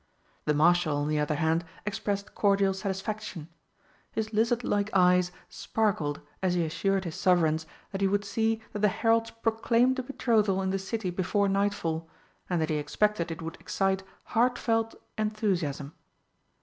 The Marshal, on the other hand, expressed cordial satisfaction. His lizard like eyes sparkled as he assured his Sovereigns that he would see that the heralds proclaimed the betrothal in the City before nightfall, and that he expected it would excite heartfelt enthusiasm.